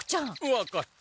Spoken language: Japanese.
分かった。